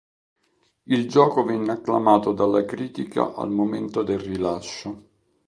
Il gioco venne acclamato dalla critica al momento del rilascio.